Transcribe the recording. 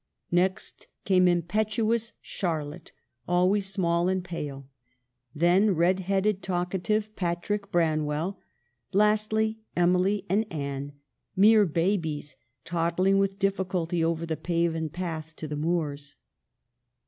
Next came impetuous Charlotte, always small and pale. Then red headed, talkative Patrick Branwell. Lastly Emily and Anne, mere babies, toddling with difficulty over the paven path to the moors.